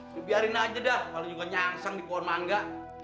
nih biarin aja dah kalau nyangsang di puan mangga